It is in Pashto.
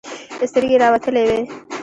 سترگې يې راوتلې وې.